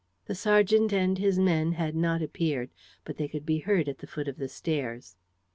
The sergeant and his men had not appeared, but they could be heard at the foot of the stairs.